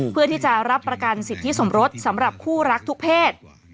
เพื่อที่จะรับประกันสิทธิสมรสสำหรับคู่รักทุกเพศ